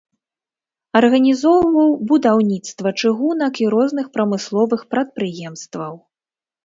Арганізоўваў будаўніцтва чыгунак і розных прамысловых прадпрыемстваў.